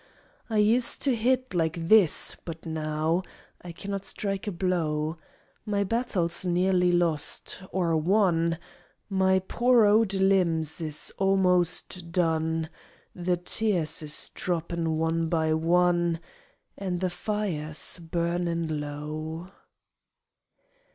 I used to hit like this but now I cannot strike a blow: My battle's nearly lost or won, My poor owd limbs is omost done, The tears is droppin' one by one, An' the fire's burnin' low.